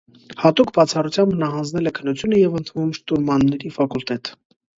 Հատուկ բացառությամբ նա հանձնել է քննությունը և ընդունվում շտուրմանների ֆակուլտետ։